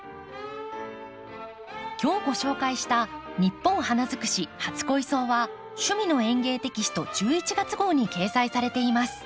今日ご紹介した「ニッポン花づくし初恋草」は「趣味の園芸」テキスト１１月号に掲載されています。